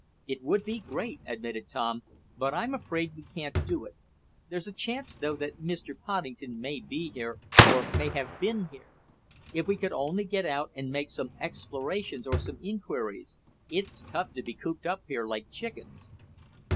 "It would be great!" admitted Tom. "But I'm afraid we can't do it. There's a chance, though, that Mr. Poddington may be here, or may have been here. If we could only get out and make some explorations or some inquiries. It's tough to be cooped up here like chickens."